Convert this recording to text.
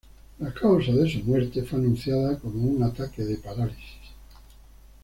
La causa de su muerte fue anunciada como un ataque de parálisis.